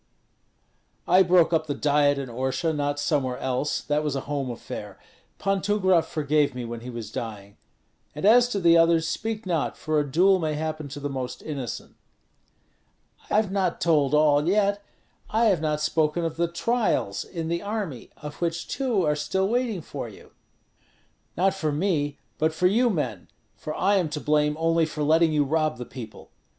"I broke up the Diet in Orsha, not somewhere else; that was a home affair. Pan Tumgrat forgave me when he was dying; and as to the others, speak not, for a duel may happen to the most innocent." "I have not told all yet; I have not spoken of the trials in the army, of which two are still waiting for you." "Not for me, but for you men; for I am to blame only for letting you rob the people.